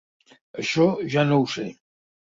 Això ja no ho sé.